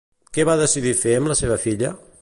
Què va decidir fer amb la seva filla?